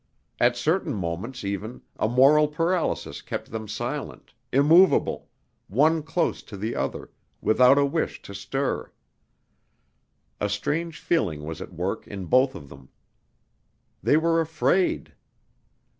At certain moments even, a moral paralysis kept them silent, immovable, one close to the other, without a wish to stir. A strange feeling was at work in both of them. They were afraid!